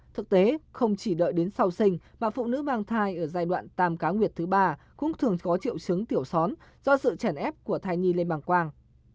thực tế không chỉ đợi đến sau sinh mà phụ nữ mang thai ở giai đoạn tam cá nguyệt thứ ba cũng thường có triệu chứng tiểu xóm do sự chèn ép của thai nhi lê quang quang